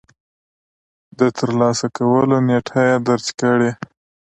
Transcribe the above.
د ترلاسه کولو نېټه يې درج کړئ.